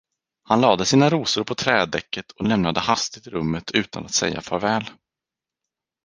Han lade sina rosor på trädäcket och lämnade hastigt rummet utan att säga farväl.